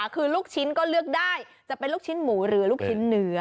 คือลูกชิ้นก็เลือกได้จะเป็นลูกชิ้นหมูหรือลูกชิ้นเนื้อ